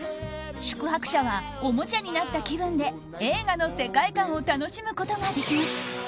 宿泊者はおもちゃになった気分で映画の世界観を楽しむことができます。